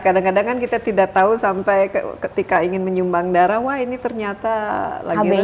kadang kadang kan kita tidak tahu sampai ketika ingin menyumbang darah wah ini ternyata lagi rame